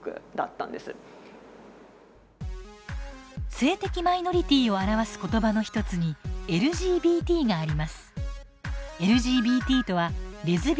性的マイノリティーを表す言葉の一つに「ＬＧＢＴ」があります。